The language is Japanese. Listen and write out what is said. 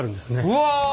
うわ！